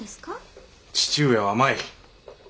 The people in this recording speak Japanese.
義父上は甘い。